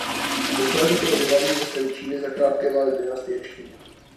Posléze bylo i hlavním městem Číny za krátké vlády dynastie Čchin.